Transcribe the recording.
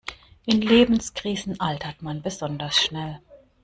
In Lebenskrisen altert man besonders schnell.